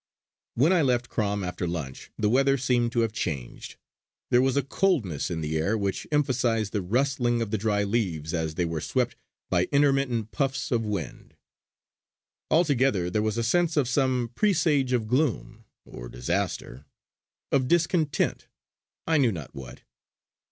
When I left Crom after lunch the weather seemed to have changed. There was a coldness in the air which emphasised the rustling of the dry leaves as they were swept by intermittent puffs of wind. Altogether there was a sense of some presage of gloom or disaster of discontent, I knew not what.